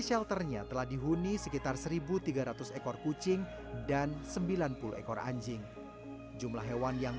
shelternya telah dihuni sekitar seribu tiga ratus ekor kucing dan sembilan puluh ekor anjing jumlah hewan yang